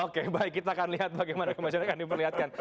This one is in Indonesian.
oke baik kita akan lihat bagaimana kemajuan akan diperlihatkan